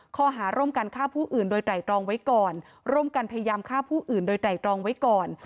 ข้อหาร่วมกันฆ่าผู้อื่นโดยไตรตรองไว้ก่อนร่วมกันพยายามฆ่าผู้อื่นโดยไตรตรองไว้ก่อน